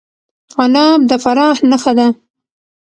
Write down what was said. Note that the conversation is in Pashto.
عناب د فراه نښه ده.